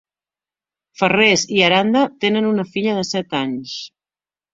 Farrés i Aranda tenen una filla de set anys.